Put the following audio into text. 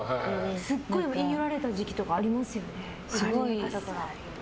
すごい言い寄られた時期とかありますよね？